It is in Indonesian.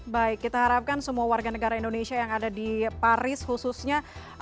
baik kita harapkan semua warga negara indonesia yang ada di paris khususnya